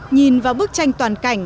nhìn vào bức tranh toàn cảnh